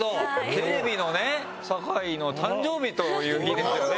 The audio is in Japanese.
テレビの酒井の誕生日という日ですよね今日は。